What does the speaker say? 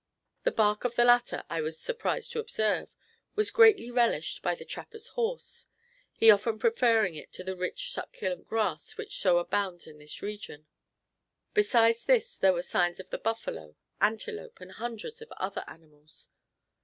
The bark of the latter, I was surprised to observe, was greatly relished by the trapper's horse, he often preferring it to the rich, succulent grass which so abounds in this region. Besides this there were signs of the buffalo, antelope, and hundreds of other animals.